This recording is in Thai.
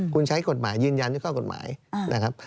คุณใช้กฎหมายยืนยันด้วยข้อกฎหมายนะครับ